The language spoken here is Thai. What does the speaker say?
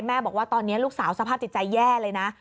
บอกว่าตอนนี้ลูกสาวสภาพจิตใจแย่เลยนะ